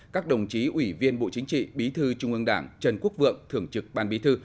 các đồng chí ủy viên bộ chính trị bí thư trung ương đảng trần quốc vượng thưởng trực ban bí thư